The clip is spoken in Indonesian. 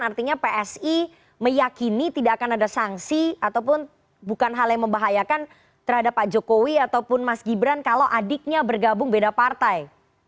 artinya psi meyakini tidak akan ada sanksi ataupun bukan hal yang membahayakan terhadap pak jokowi ataupun mas gibran kalau adiknya bergabung beda partai